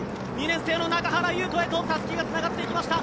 ２年生の中原優人へたすきがつながっていきました。